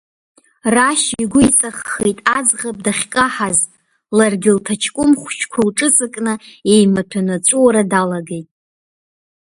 Рашь игәы иҵаххит аӡӷаб дахькаҳаз, ларгьы лҭаҷкәым хәыҷқәа лҿыҵакны еимаҭәаны аҵәуара далагеит.